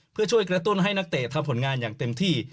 เพื่อช่วยกระตุ้นให้นักเตะทำผลงานอย่างเต็มที่